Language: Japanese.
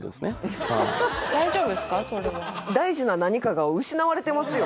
それは大事な何かが失われてますよ